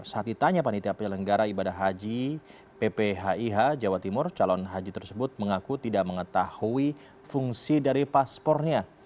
saat ditanya panitia penyelenggara ibadah haji pphih jawa timur calon haji tersebut mengaku tidak mengetahui fungsi dari paspornya